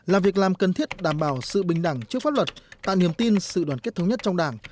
là việc làm cần thiết đảm bảo sự bình đẳng trước pháp luật tạo niềm tin sự đoàn kết thống nhất trong đảng